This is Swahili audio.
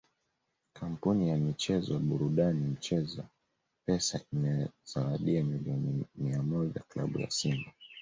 Kampuni ya michezo na burudani mchezo Pesa imewazawadia milioni mia moja klabu ya Simba